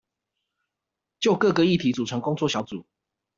就各個議題組成工作小組